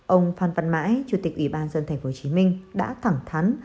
ông phan văn mãi chủ tịch ủy ban dân tp hcm đã thẳng thắn